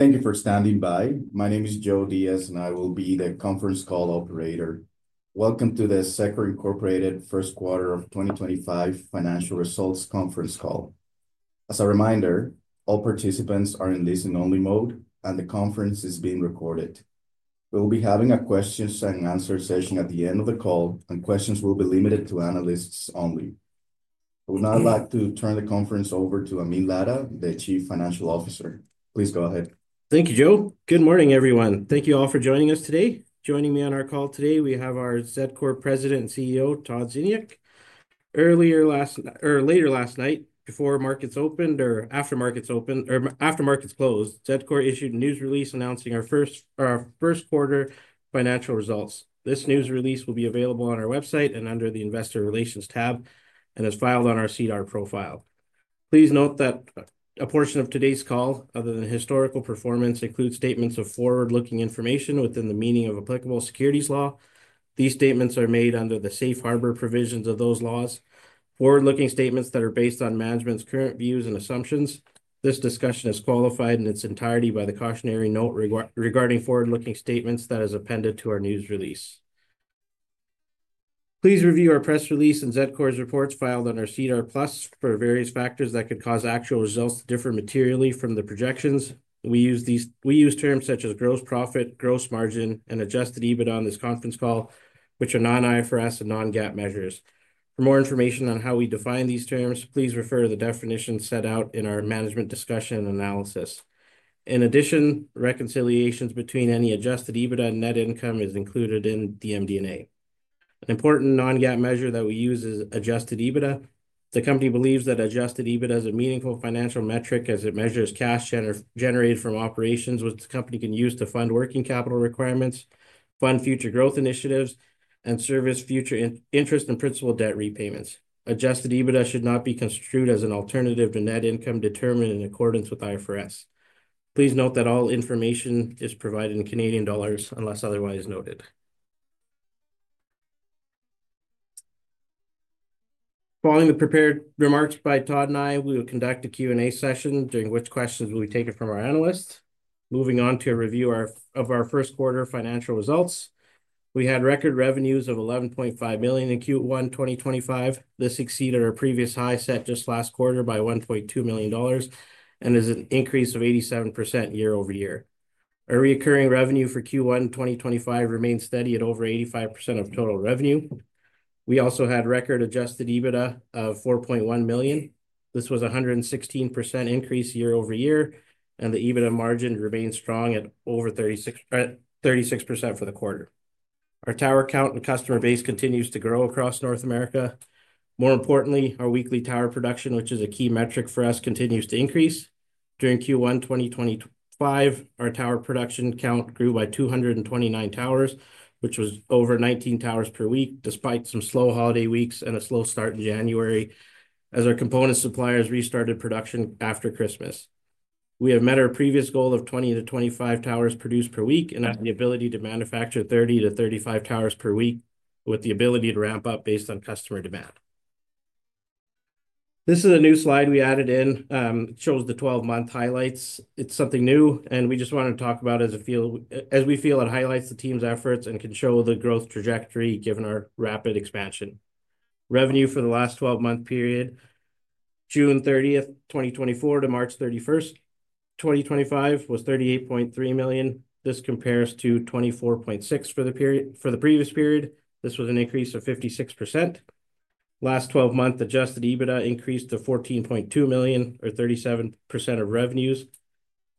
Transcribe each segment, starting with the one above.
Thank you for standing by. My name is Joe Diaz, and I will be the conference call operator. Welcome to the Zedcor first quarter of 2025 financial results conference call. As a reminder, all participants are in listen-only mode, and the conference is being recorded. We will be having a question-and-answer session at the end of the call, and questions will be limited to analysts only. I would now like to turn the conference over to Amin Ladha, the Chief Financial Officer. Please go ahead. Thank you, Joe. Good morning, everyone. Thank you all for joining us today. Joining me on our call today, we have our Zedcor President and CEO, Todd Ziniuk. Earlier last night or later last night, before markets opened or after markets opened or after markets closed, Zedcor issued a news release announcing our first quarter financial results. This news release will be available on our website and under the Investor Relations tab, and is filed on our CDR profile. Please note that a portion of today's call, other than historical performance, includes statements of forward-looking information within the meaning of applicable securities law. These statements are made under the safe harbor provisions of those laws. Forward-looking statements that are based on management's current views and assumptions. This discussion is qualified in its entirety by the cautionary note regarding forward-looking statements that is appended to our news release. Please review our press release and Zedcor's reports filed under CDR Plus for various factors that could cause actual results to differ materially from the projections. We use terms such as gross profit, gross margin, and adjusted EBITDA on this conference call, which are non-IFRS and non-GAAP measures. For more information on how we define these terms, please refer to the definitions set out in our management discussion analysis. In addition, reconciliations between any adjusted EBITDA and net income are included in the MD&A. An important non-GAAP measure that we use is adjusted EBITDA. The company believes that adjusted EBITDA is a meaningful financial metric as it measures cash generated from operations, which the company can use to fund working capital requirements, fund future growth initiatives, and service future interest and principal debt repayments. Adjusted EBITDA should not be construed as an alternative to net income determined in accordance with IFRS. Please note that all information is provided in Canadian dollars unless otherwise noted. Following the prepared remarks by Todd and I, we will conduct a Q&A session, during which questions will be taken from our analysts. Moving on to a review of our first quarter financial results, we had record revenues of 11.5 million in Q1 2025. This exceeded our previous high set just last quarter by 1.2 million dollars and is an increase of 87% year-over-year. Our recurring revenue for Q1 2025 remained steady at over 85% of total revenue. We also had record adjusted EBITDA of 4.1 million. This was a 116% increase year-over-year, and the EBITDA margin remained strong at over 36% for the quarter. Our tower count and customer base continues to grow across North America. More importantly, our weekly tower production, which is a key metric for us, continues to increase. During Q1 2025, our tower production count grew by 229 towers, which was over 19 towers per week, despite some slow holiday weeks and a slow start in January, as our component suppliers restarted production after Christmas. We have met our previous goal of 20-25 towers produced per week and have the ability to manufacture 30-35 towers per week with the ability to ramp up based on customer demand. This is a new slide we added in. It shows the 12-month highlights. It is something new, and we just wanted to talk about it as we feel it highlights the team's efforts and can show the growth trajectory given our rapid expansion. Revenue for the last 12-month period, June 30, 2024 to March 31, 2025, was 38.3 million. This compares to 24.6 million for the previous period. This was an increase of 56%. Last 12-month adjusted EBITDA increased to 14.2 million, or 37% of revenues,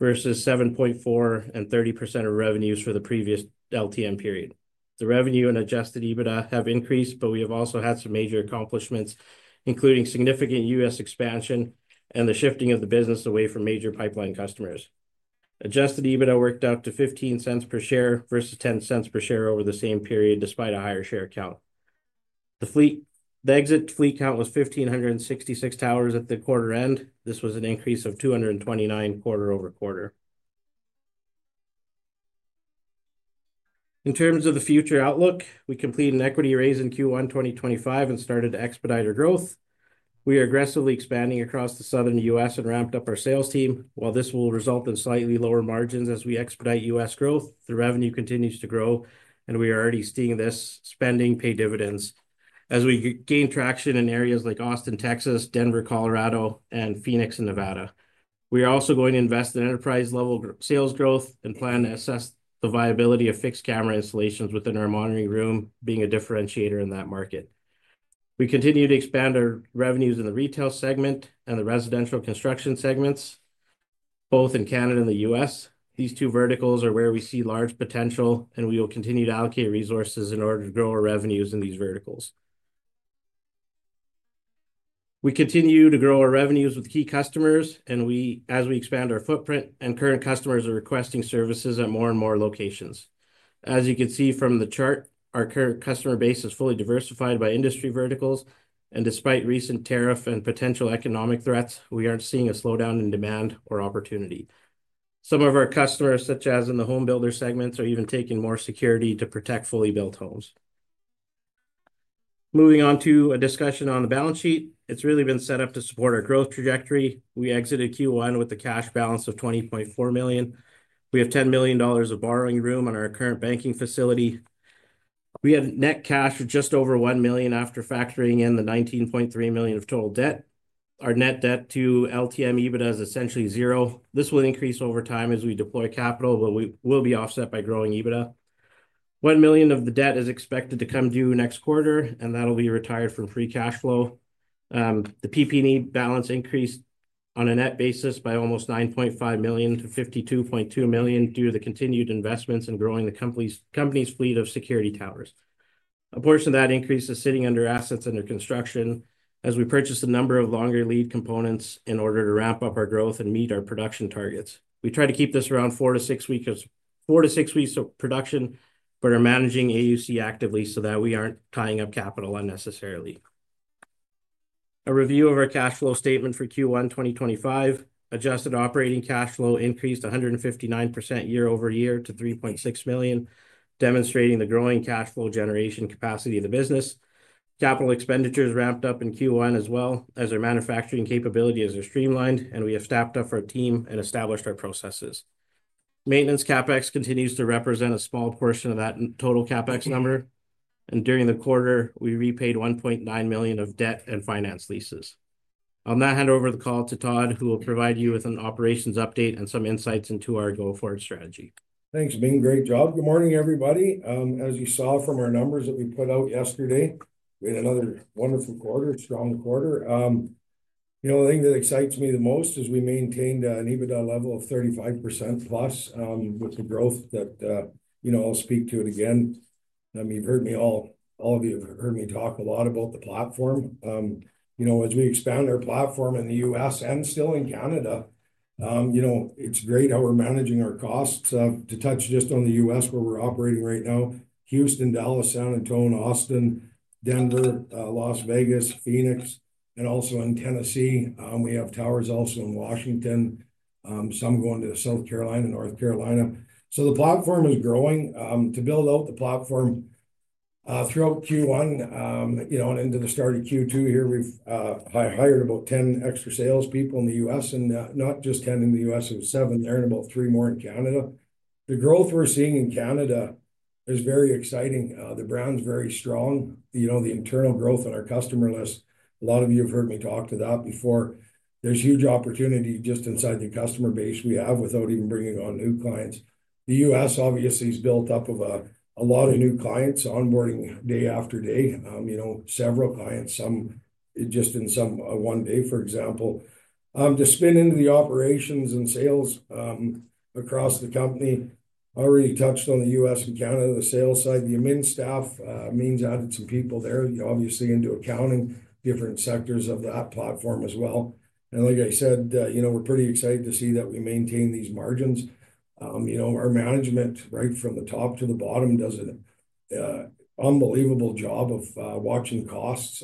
versus 7.4 million and 30% of revenues for the previous LTM period. The revenue and adjusted EBITDA have increased, but we have also had some major accomplishments, including significant U.S. expansion and the shifting of the business away from major pipeline customers. Adjusted EBITDA worked out to 0.15 per share versus 0.10 per share over the same period, despite a higher share count. The exit fleet count was 1,566 towers at the quarter end. This was an increase of 229 quarter-over-quarter. In terms of the future outlook, we completed an equity raise in Q1 2025 and started to expedite our growth. We are aggressively expanding across the southern U.S. and ramped up our sales team. While this will result in slightly lower margins as we expedite U.S. growth, the revenue continues to grow, and we are already seeing this spending pay dividends as we gain traction in areas like Austin, Texas, Denver, Colorado, and Phoenix, Nevada. We are also going to invest in enterprise-level sales growth and plan to assess the viability of fixed camera installations within our monitoring room, being a differentiator in that market. We continue to expand our revenues in the retail segment and the residential construction segments, both in Canada and the U.S. These two verticals are where we see large potential, and we will continue to allocate resources in order to grow our revenues in these verticals. We continue to grow our revenues with key customers, and as we expand our footprint, current customers are requesting services at more and more locations. As you can see from the chart, our current customer base is fully diversified by industry verticals, and despite recent tariff and potential economic threats, we are not seeing a slowdown in demand or opportunity. Some of our customers, such as in the home builder segments, are even taking more security to protect fully built homes. Moving on to a discussion on the balance sheet, it has really been set up to support our growth trajectory. We exited Q1 with a cash balance of 20.4 million. We have 10 million dollars of borrowing room on our current banking facility. We have net cash of just over 1 million after factoring in the 19.3 million of total debt. Our net debt to LTM EBITDA is essentially zero. This will increase over time as we deploy capital, but it will be offset by growing EBITDA. $1 million of the debt is expected to come due next quarter, and that'll be retired from free cash flow. The PP&E balance increased on a net basis by almost $9.5 million to $52.2 million due to the continued investments and growing the company's fleet of security towers. A portion of that increase is sitting under assets under construction as we purchase a number of longer lead components in order to ramp up our growth and meet our production targets. We try to keep this around four to six weeks of production, but are managing AUC actively so that we aren't tying up capital unnecessarily. A review of our cash flow statement for Q1 2025, adjusted operating cash flow increased 159% year-over-year to $3.6 million, demonstrating the growing cash flow generation capacity of the business. Capital expenditures ramped up in Q1 as well as our manufacturing capability is streamlined, and we have staffed up our team and established our processes. Maintenance CapEx continues to represent a small portion of that total CapEx number, and during the quarter, we repaid 1.9 million of debt and finance leases. I'll now hand over the call to Todd, who will provide you with an operations update and some insights into our go forward strategy. Thanks, Amin. Great job. Good morning, everybody. As you saw from our numbers that we put out yesterday, we had another wonderful quarter, a strong quarter. You know, the thing that excites me the most is we maintained an EBITDA level of 35%+ with the growth that, you know, I'll speak to it again. I mean, you've heard me, all of you have heard me talk a lot about the platform. You know, as we expand our platform in the U.S. and still in Canada, you know, it's great how we're managing our costs. To touch just on the U.S., where we're operating right now, Houston, Dallas, San Antonio, Austin, Denver, Las Vegas, Phoenix, and also in Tennessee, we have towers also in Washington, some going to South Carolina and North Carolina. The platform is growing. To build out the platform throughout Q1, you know, and into the start of Q2 here, we've hired about 10 extra salespeople in the U.S., and not just 10 in the U.S., it was seven there and about three more in Canada. The growth we're seeing in Canada is very exciting. The brand's very strong. You know, the internal growth on our customer list, a lot of you have heard me talk to that before. There's huge opportunity just inside the customer base we have without even bringing on new clients. The U.S., obviously, is built up of a lot of new clients onboarding day after day. You know, several clients, some just in some one day, for example. To spin into the operations and sales across the company, I already touched on the U.S. and Canada, the sales side. The Amin staff, Amin's added some people there, obviously, into accounting, different sectors of that platform as well. Like I said, you know, we're pretty excited to see that we maintain these margins. You know, our management, right from the top to the bottom, does an unbelievable job of watching costs.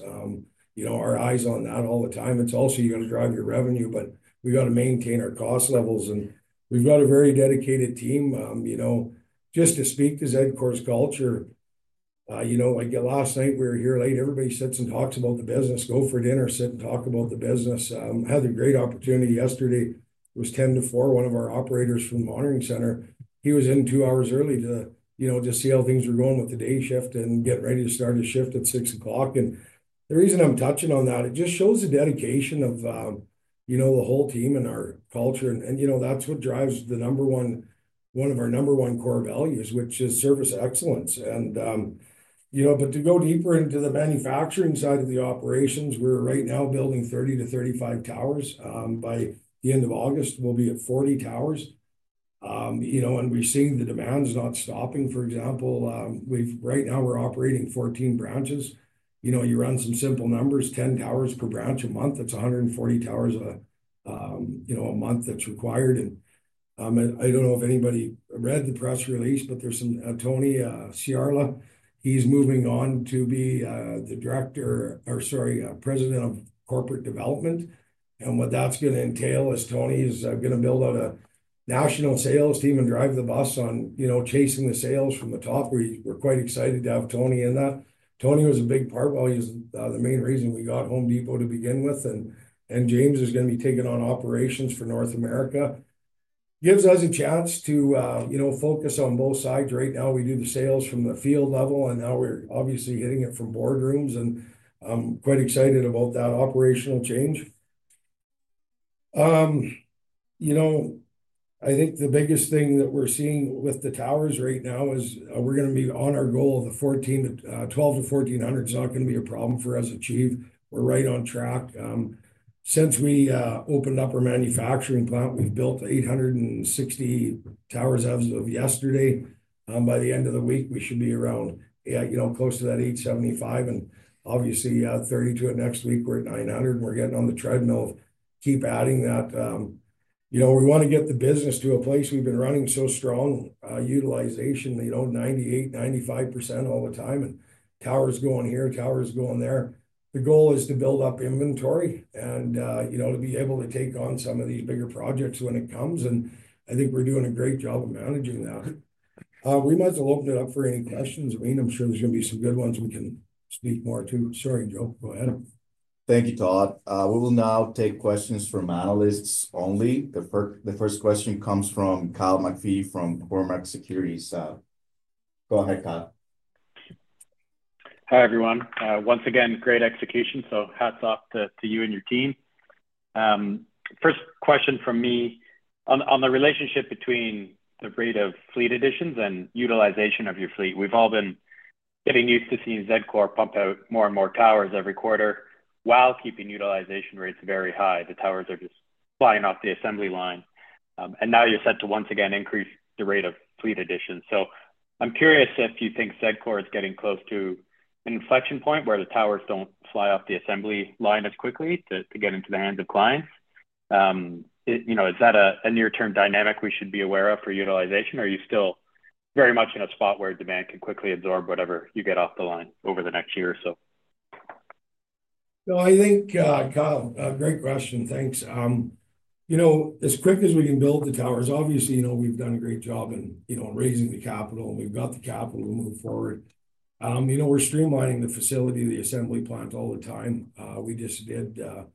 You know, our eyes on that all the time. It's also you got to drive your revenue, but we got to maintain our cost levels. We've got a very dedicated team. You know, just to speak to Zedcor's culture, you know, I get last night we were here late. Everybody sits and talks about the business. Go for dinner, sit and talk about the business. Had a great opportunity yesterday. It was 10 to four. One of our operators from the monitoring center, he was in two hours early to, you know, just see how things were going with the day shift and getting ready to start a shift at 6:00 A.M. The reason I'm touching on that, it just shows the dedication of, you know, the whole team and our culture. You know, that's what drives the number one, one of our number one core values, which is service excellence. You know, to go deeper into the manufacturing side of the operations, we're right now building 30-35 towers. By the end of August, we'll be at 40 towers. You know, and we're seeing the demand's not stopping. For example, right now we're operating 14 branches. You know, you run some simple numbers, 10 towers per branch a month. That's 140 towers, you know, a month that's required. I do not know if anybody read the press release, but there is some Tony Sciara. He is moving on to be the President of Corporate Development. What that is going to entail is Tony is going to build out a national sales team and drive the bus on, you know, chasing the sales from the top. We are quite excited to have Tony in that. Tony was a big part while he was the main reason we got Home Depot to begin with. James is going to be taking on operations for North America. Gives us a chance to, you know, focus on both sides. Right now we do the sales from the field level, and now we are obviously hitting it from boardrooms. I am quite excited about that operational change. You know, I think the biggest thing that we're seeing with the towers right now is we're going to be on our goal of the 1,200-1,400. It's not going to be a problem for us to achieve. We're right on track. Since we opened up our manufacturing plant, we've built 860 towers as of yesterday. By the end of the week, we should be around, you know, close to that 875. And obviously, 32 next week, we're at 900. We're getting on the treadmill of keep adding that. You know, we want to get the business to a place we've been running so strong utilization, you know, 98%-95% all the time. And towers going here, towers going there. The goal is to build up inventory and, you know, to be able to take on some of these bigger projects when it comes. I think we're doing a great job of managing that. We might as well open it up for any questions. Amin, I'm sure there's going to be some good ones we can speak more to. Sorry, Joe, go ahead. Thank you, Todd. We will now take questions from analysts only. The first question comes from Kyle McPhee from Cormark Securities. Go ahead, Kyle. Hi, everyone. Once again, great execution. Hats off to you and your team. First question from me on the relationship between the rate of fleet additions and utilization of your fleet. We've all been getting used to seeing Zedcor pump out more and more towers every quarter while keeping utilization rates very high. The towers are just flying off the assembly line. Now you're set to once again increase the rate of fleet additions. I'm curious if you think Zedcor is getting close to an inflection point where the towers do not fly off the assembly line as quickly to get into the hands of clients. You know, is that a near-term dynamic we should be aware of for utilization, or are you still very much in a spot where demand can quickly absorb whatever you get off the line over the next year or so? No, I think, Kyle, great question. Thanks. You know, as quick as we can build the towers, obviously, you know, we've done a great job in, you know, raising the capital. And we've got the capital to move forward. You know, we're streamlining the facility, the assembly plant all the time. We just did a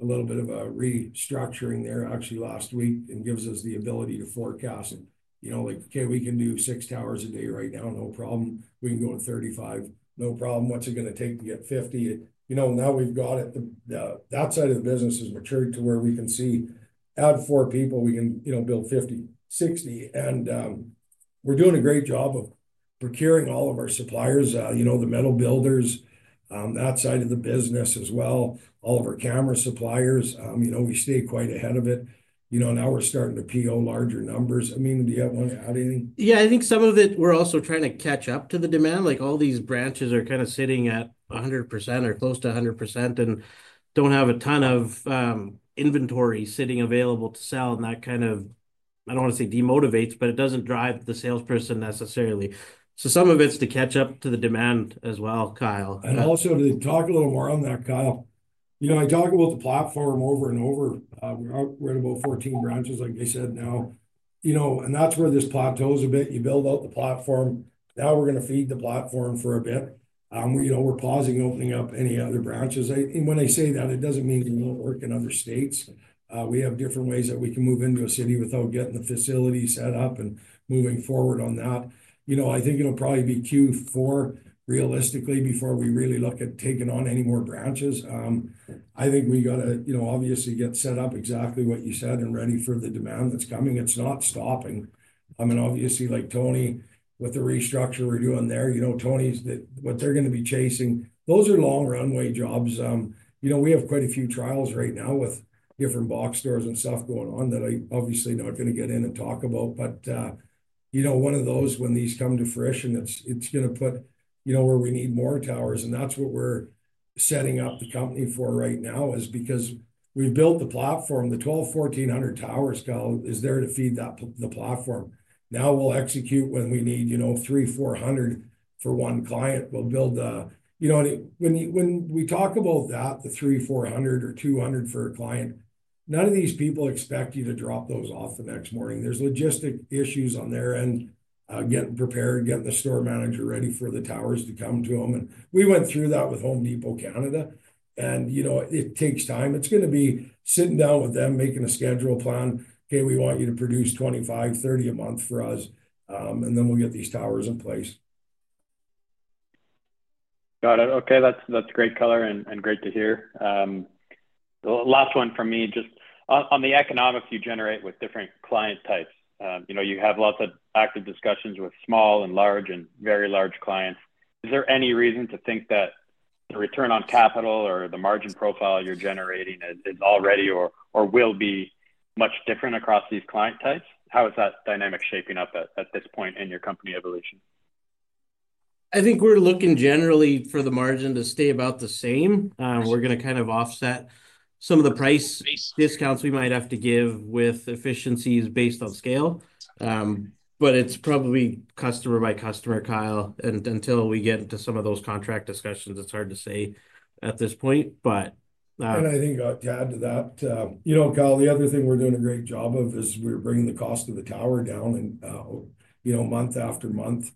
little bit of a restructuring there actually last week. It gives us the ability to forecast, you know, like, okay, we can do six towers a day right now, no problem. We can go to 35, no problem. What's it going to take to get 50? You know, now we've got it. The outside of the business has matured to where we can see add four people, we can, you know, build 50, 60. We're doing a great job of procuring all of our suppliers, you know, the metal builders, that side of the business as well, all of our camera suppliers. You know, we stay quite ahead of it. You know, now we're starting to PO larger numbers. Amin, do you have one? Yeah, I think some of it we're also trying to catch up to the demand. Like all these branches are kind of sitting at 100% or close to 100% and do not have a ton of inventory sitting available to sell. That kind of, I do not want to say demotivates, but it does not drive the salesperson necessarily. Some of it is to catch up to the demand as well, Kyle. Also to talk a little more on that, Kyle. You know, I talk about the platform over and over. We're at about 14 branches, like I said now. You know, and that's where this plateaus a bit. You build out the platform. Now we're going to feed the platform for a bit. You know, we're pausing opening up any other branches. When I say that, it doesn't mean we won't work in other states. We have different ways that we can move into a city without getting the facility set up and moving forward on that. You know, I think it'll probably be Q4 realistically before we really look at taking on any more branches. I think we got to, you know, obviously get set up exactly what you said and ready for the demand that's coming. It's not stopping. I mean, obviously, like Tony with the restructure we're doing there, you know, Tony's what they're going to be chasing. Those are long runway jobs. You know, we have quite a few trials right now with different box stores and stuff going on that I'm obviously not going to get in and talk about. You know, one of those when these come to fruition, it's going to put, you know, where we need more towers. That's what we're setting up the company for right now is because we've built the platform. The 1,200-1,400 towers, Kyle, is there to feed that, the platform. Now we'll execute when we need, you know, 300-400 for one client. We'll build the, you know, when we talk about that, the 300-400 or 200 for a client, none of these people expect you to drop those off the next morning. are logistic issues on their end, getting prepared, getting the store manager ready for the towers to come to them. We went through that with Home Depot Canada. You know, it takes time. It is going to be sitting down with them, making a schedule plan. Okay, we want you to produce 25-30 a month for us. We will get these towers in place. Got it. Okay. That's great color and great to hear. Last one for me, just on the economics you generate with different client types. You know, you have lots of active discussions with small and large and very large clients. Is there any reason to think that the return on capital or the margin profile you're generating is already or will be much different across these client types? How is that dynamic shaping up at this point in your company evolution? I think we're looking generally for the margin to stay about the same. We're going to kind of offset some of the price discounts we might have to give with efficiencies based on scale. It is probably customer by customer, Kyle. Until we get into some of those contract discussions, it's hard to say at this point. I think to add to that, you know, Kyle, the other thing we're doing a great job of is we're bringing the cost of the tower down, you know, month after month.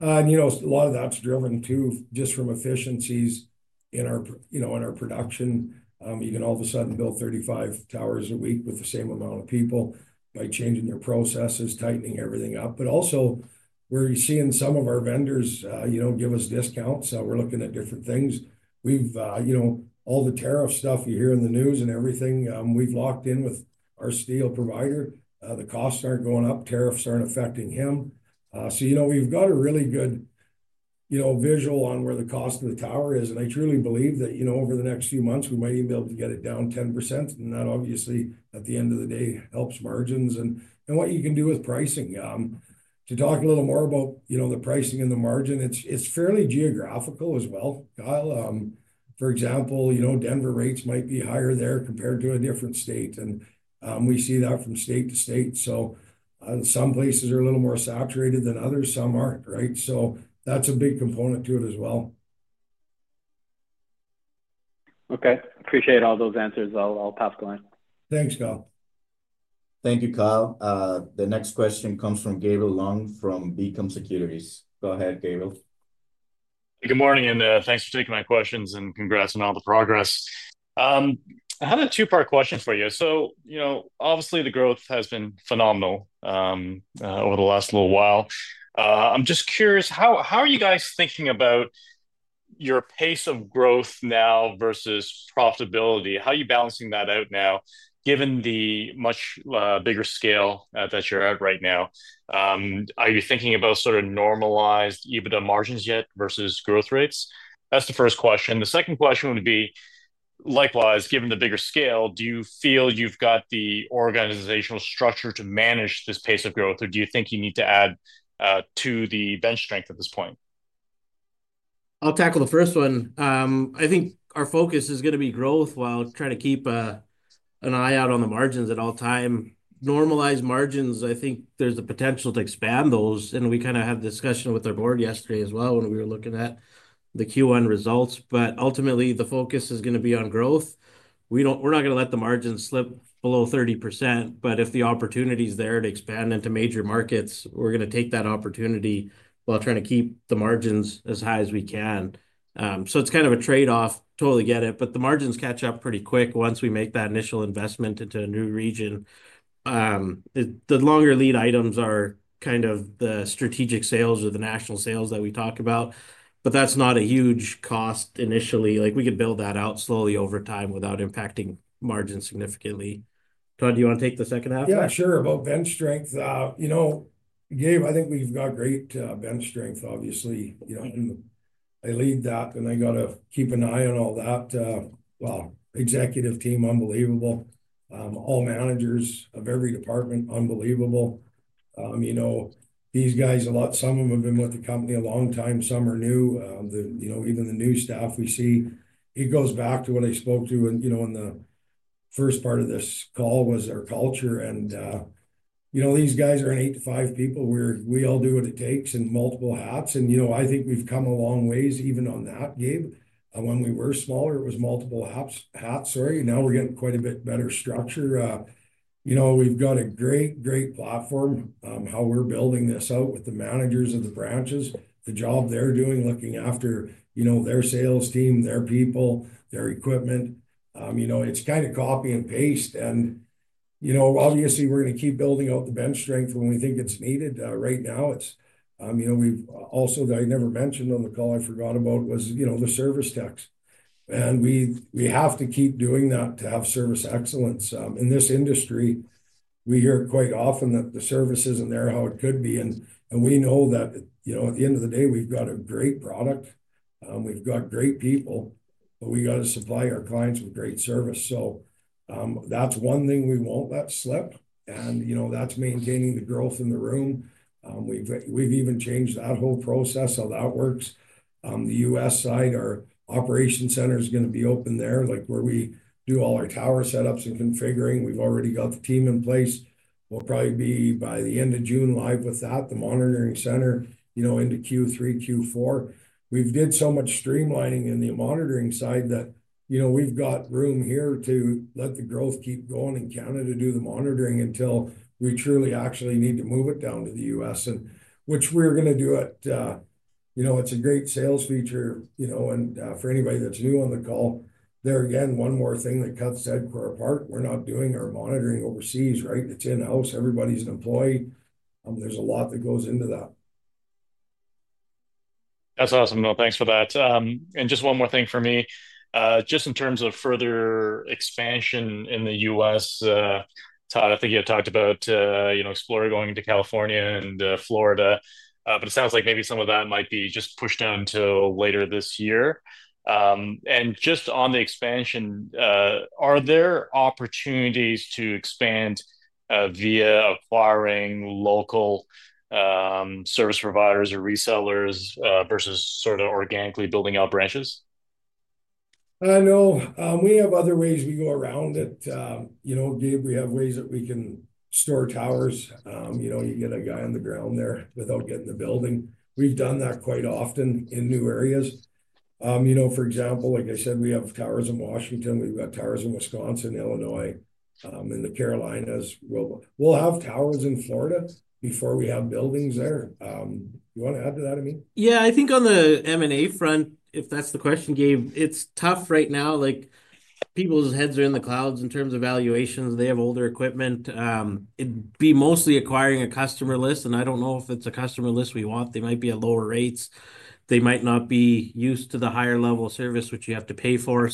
You know, a lot of that's driven too just from efficiencies in our, you know, in our production. You can all of a sudden build 35 towers a week with the same amount of people by changing your processes, tightening everything up. Also, where you're seeing some of our vendors, you know, give us discounts. We're looking at different things. You know, all the tariff stuff you hear in the news and everything. We've locked in with our steel provider. The costs aren't going up. Tariffs aren't affecting him. You know, we've got a really good, you know, visual on where the cost of the tower is. I truly believe that, you know, over the next few months, we might even be able to get it down 10%. That obviously at the end of the day helps margins. What you can do with pricing. To talk a little more about, you know, the pricing and the margin, it's fairly geographical as well, Kyle. For example, you know, Denver rates might be higher there compared to a different state. We see that from state to state. Some places are a little more saturated than others. Some aren't, right? That's a big component to it as well. Okay. Appreciate all those answers. I'll pass the line. Thanks, Kyle. Thank you, Kyle. The next question comes from Gabriel Leung from Beacon Securities. Go ahead, Gabriel. Hey, good morning. Thanks for taking my questions and congrats on all the progress. I have a two-part question for you. You know, obviously the growth has been phenomenal over the last little while. I'm just curious, how are you guys thinking about your pace of growth now versus profitability? How are you balancing that out now given the much bigger scale that you're at right now? Are you thinking about sort of normalized EBITDA margins yet versus growth rates? That's the first question. The second question would be, likewise, given the bigger scale, do you feel you've got the organizational structure to manage this pace of growth, or do you think you need to add to the bench strength at this point? I'll tackle the first one. I think our focus is going to be growth while trying to keep an eye out on the margins at all times. Normalized margins, I think there's the potential to expand those. We kind of had a discussion with our board yesterday as well when we were looking at the Q1 results. Ultimately, the focus is going to be on growth. We're not going to let the margins slip below 30%. If the opportunity is there to expand into major markets, we're going to take that opportunity while trying to keep the margins as high as we can. It's kind of a trade-off. Totally get it. The margins catch up pretty quick once we make that initial investment into a new region. The longer lead items are kind of the strategic sales or the national sales that we talk about. That is not a huge cost initially. Like we could build that out slowly over time without impacting margins significantly. Todd, do you want to take the second half? Yeah, sure. About bench strength. You know, Gabriel, I think we've got great bench strength, obviously. You know, I lead that and I got to keep an eye on all that. The executive team, unbelievable. All managers of every department, unbelievable. You know, these guys, a lot, some of them have been with the company a long time. Some are new. You know, even the new staff we see, it goes back to what I spoke to, you know, in the first part of this call was our culture. And, you know, these guys are not eight to five people. We all do what it takes and multiple hats. You know, I think we've come a long ways even on that, Gabriel. When we were smaller, it was multiple hats. Sorry. Now we're getting quite a bit better structure. You know, we've got a great, great platform how we're building this out with the managers of the branches, the job they're doing, looking after, you know, their sales team, their people, their equipment. You know, it's kind of copy and paste. You know, obviously we're going to keep building out the bench strength when we think it's needed. Right now, it's, you know, we've also, that I never mentioned on the call, I forgot about, was, you know, the service techs. We have to keep doing that to have service excellence. In this industry, we hear it quite often that the service isn't there how it could be. We know that, you know, at the end of the day, we've got a great product. We've got great people, but we got to supply our clients with great service. That's one thing we won't let slip. You know, that's maintaining the growth in the room. We've even changed that whole process how that works. The U.S. side, our operation center is going to be open there, like where we do all our tower setups and configuring. We've already got the team in place. We'll probably be by the end of June live with that, the monitoring center, you know, into Q3, Q4. We've did so much streamlining in the monitoring side that, you know, we've got room here to let the growth keep going in Canada to do the monitoring until we truly actually need to move it down to the U.S., which we're going to do at, you know, it's a great sales feature, you know, and for anybody that's new on the call, there again, one more thing that cuts Zedcor apart. We're not doing our monitoring overseas, right? It's in-house. Everybody's an employee. There's a lot that goes into that. That's awesome. No, thanks for that. Just one more thing for me, just in terms of further expansion in the U.S., Todd, I think you had talked about, you know, exploring going into California and Florida. It sounds like maybe some of that might be just pushed down to later this year. Just on the expansion, are there opportunities to expand via acquiring local service providers or resellers versus sort of organically building out branches? No, we have other ways we go around it. You know, Gabriel, we have ways that we can store towers. You know, you get a guy on the ground there without getting the building. We've done that quite often in new areas. You know, for example, like I said, we have towers in Washington. We've got towers in Wisconsin, Illinois, in the Carolinas. We'll have towers in Florida before we have buildings there. You want to add to that, Amin? Yeah, I think on the M&A front, if that's the question, Gabriel, it's tough right now. Like people's heads are in the clouds in terms of valuations. They have older equipment. It'd be mostly acquiring a customer list. I don't know if it's a customer list we want. They might be at lower rates. They might not be used to the higher level of service, which you have to pay for.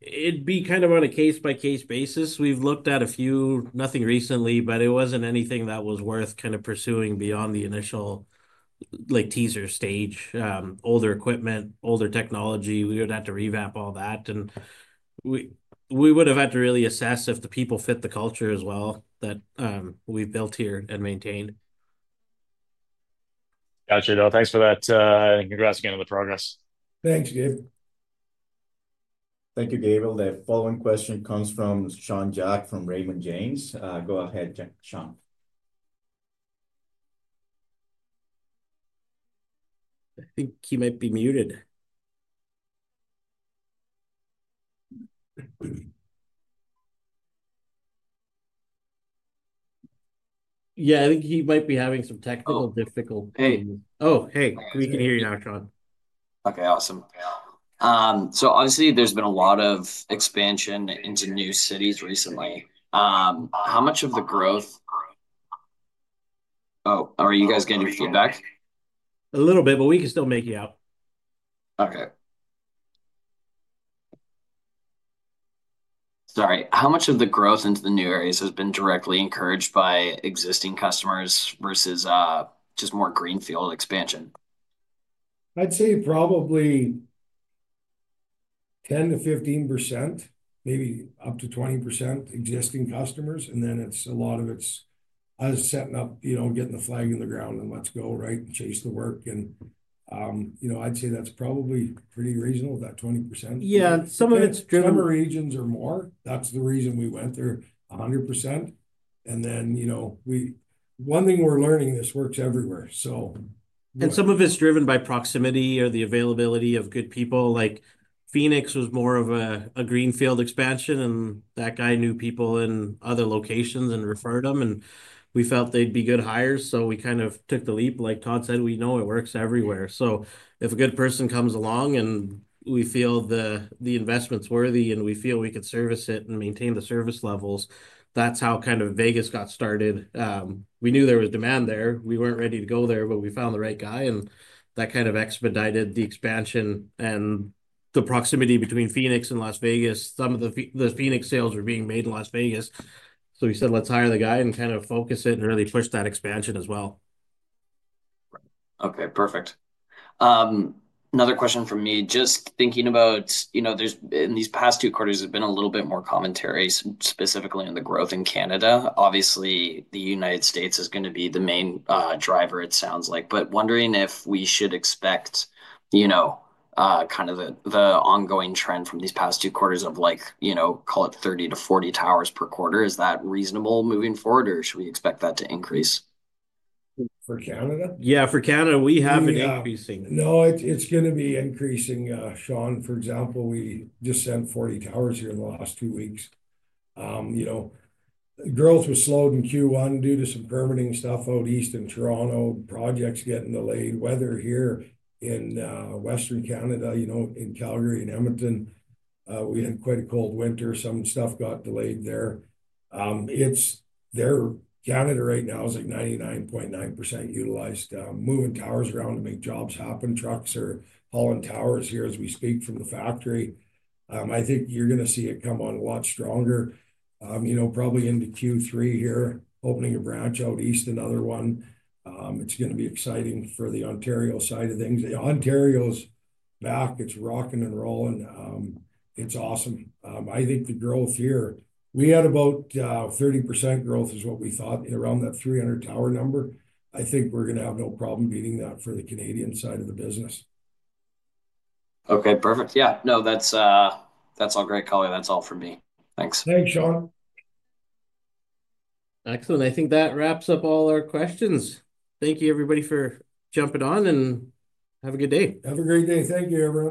It'd be kind of on a case-by-case basis. We've looked at a few, nothing recently, but it wasn't anything that was worth kind of pursuing beyond the initial like teaser stage, older equipment, older technology. We would have to revamp all that. We would have had to really assess if the people fit the culture as well that we've built here and maintained. Gotcha. No, thanks for that. Congrats again on the progress. Thanks, Gabriel. Thank you, Gabriel. The following question comes from Sean Jack from Raymond James. Go ahead, Sean. I think he might be muted. Yeah, I think he might be having some technical difficulty. Hey. Oh, hey. We can hear you now, Sean. Okay. Awesome. Obviously there's been a lot of expansion into new cities recently. How much of the growth, oh, are you guys getting your feedback? A little bit, but we can still make you out. Okay. Sorry. How much of the growth into the new areas has been directly encouraged by existing customers versus just more greenfield expansion? I'd say probably 10%-15%, maybe up to 20% existing customers. And then it's a lot of it's us setting up, you know, getting the flag in the ground and let's go, right, and chase the work. And, you know, I'd say that's probably pretty reasonable, that 20%. Yeah. Some of it's driven. Some regions are more. That is the reason we went there, 100%. And then, you know, one thing we are learning, this works everywhere. So. Some of it is driven by proximity or the availability of good people. Like Phoenix was more of a greenfield expansion. That guy knew people in other locations and referred them. We felt they would be good hires. We kind of took the leap. Like Todd said, we know it works everywhere. If a good person comes along and we feel the investment is worthy and we feel we could service it and maintain the service levels, that is how Vegas got started. We knew there was demand there. We were not ready to go there, but we found the right guy. That expedited the expansion and the proximity between Phoenix and Las Vegas. Some of the Phoenix sales were being made in Las Vegas. We said, let's hire the guy and focus it and really push that expansion as well. Okay. Perfect. Another question from me. Just thinking about, you know, there's in these past two quarters, there's been a little bit more commentary, specifically on the growth in Canada. Obviously, the United States is going to be the main driver, it sounds like. But wondering if we should expect, you know, kind of the ongoing trend from these past two quarters of like, you know, call it 30-40 towers per quarter. Is that reasonable moving forward, or should we expect that to increase? For Canada? Yeah, for Canada, we have an increasing. No, it's going to be increasing. Sean, for example, we just sent 40 towers here in the last two weeks. You know, growth was slowed in Q1 due to some permitting stuff out east in Toronto, projects getting delayed, weather here in western Canada, you know, in Calgary and Edmonton. We had quite a cold winter. Some stuff got delayed there. Canada right now is at 99.9% utilized. Moving towers around to make jobs happen. Trucks are hauling towers here as we speak from the factory. I think you're going to see it come on a lot stronger. You know, probably into Q3 here, opening a branch out east, another one. It's going to be exciting for the Ontario side of things. Ontario's back. It's rocking and rolling. It's awesome. I think the growth here, we had about 30% growth is what we thought around that 300 tower number. I think we're going to have no problem beating that for the Canadian side of the business. Okay. Perfect. Yeah. No, that's all great, Colby. That's all from me. Thanks. Thanks, Sean. Excellent. I think that wraps up all our questions. Thank you, everybody, for jumping on and have a good day. Have a great day. Thank you, Avery.